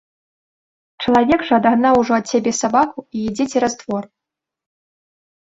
Чалавек жа адагнаў ужо ад сябе сабаку і ідзе цераз двор.